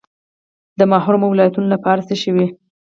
د محرومو ولایتونو لپاره څه شوي؟